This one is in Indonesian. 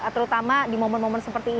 terutama di momen momen seperti ini